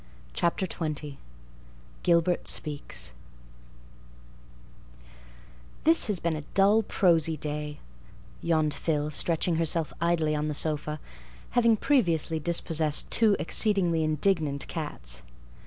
Chapter XX Gilbert Speaks "This has been a dull, prosy day," yawned Phil, stretching herself idly on the sofa, having previously dispossessed two exceedingly indignant cats.